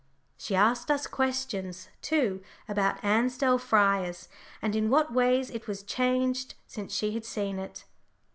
She asked us questions, too, about Ansdell Friars, and in what ways it was changed since she had seen it.